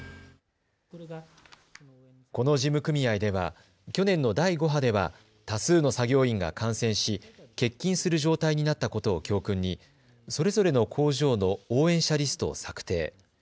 この事務組合では去年の第５波では多数の作業員が感染し欠勤する状態になったことを教訓にそれぞれの工場の応援者リストを策定。